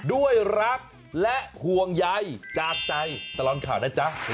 ด้วยรักและห่วงใยจากใจตลอดข่าวนะจ๊ะ